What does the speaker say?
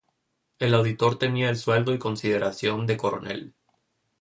El auditor tenía el sueldo y consideración de coronel.